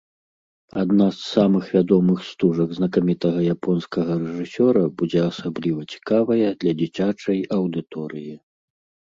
Адна з самых вядомых стужак знакамітага японскага рэжысёра будзе асабліва цікавая для дзіцячай аўдыторыі.